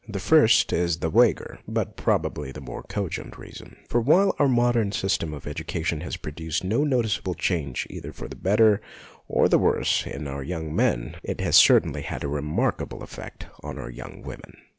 The first is the vaguer, but probably the more cogent, reason ; for while our modern system of education has produced no noticeable change either for the better or the worse in our young men, it has certainly had a remark able effect on our young women.